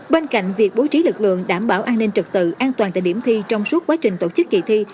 bên cạnh việc bố trí lực lượng đảm bảo an ninh trực tự an toàn tại điểm thi trong suốt quá trình tổ chức kỳ thi